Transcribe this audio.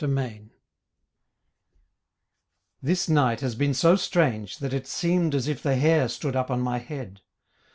PRESENCES This night has been so strange that it seemed As if the hair stood up on my head.